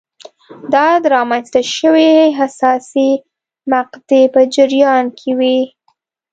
دا د رامنځته شوې حساسې مقطعې په جریان کې وې.